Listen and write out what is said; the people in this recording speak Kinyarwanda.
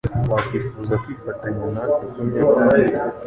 Wakwifuza kwifatanya natwe kunywa?